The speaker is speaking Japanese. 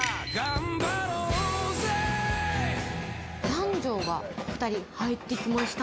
男女がお２人、入ってきました。